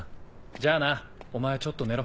じゃあなお前ちょっと寝ろ。